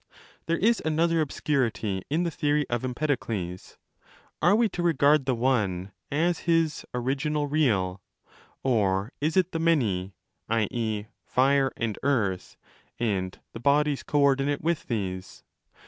There is another obscurity in the theory of Empedokles. 20 Are we to regard the One as his ' original real'? Or is it the Many—i.e. Fire and Earth, and the bodies co ordinate with these?